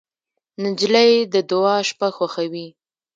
نجلۍ د دعا شپه خوښوي.